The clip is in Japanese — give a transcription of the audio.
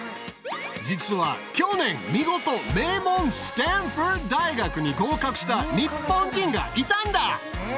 実は去年見事名門スタンフォード大学に合格した日本人がいたんだ！